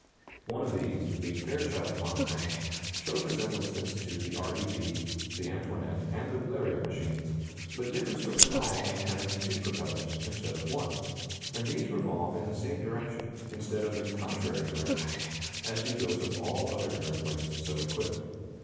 One of these, the Fairchild monoplane, shows resemblances to the R E P, the Antoinette, and the Bleriot machines, but differs from them all in having two propellers instead of one; and these revolve in the same direction, instead of in contrary directions, as do those of all other aeroplanes so equipped.